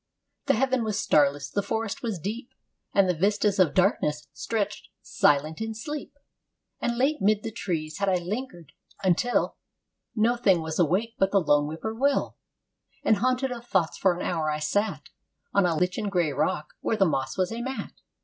The heaven was starless, the forest was deep, And the vistas of darkness stretched silent in sleep. And late 'mid the trees had I lingered until No thing was awake but the lone whippoorwill. And haunted of thoughts for an hour I sat On a lichen gray rock where the moss was a mat.